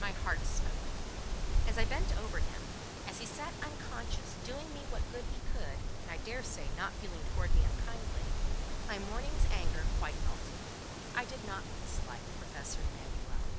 My heart smote me: as I bent over him, as he sat unconscious, doing me what good he could, and I daresay not feeling towards me unkindly, my morning's anger quite melted: I did not dislike Professor Emanuel.